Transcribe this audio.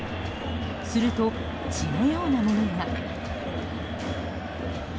すると、血のようなものが。